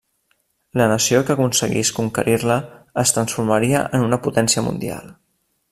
La nació que aconseguís conquerir-la es transformaria en una potència mundial.